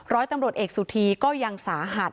ร้อยตำรวจเอกสุธีก็ยังสาหัส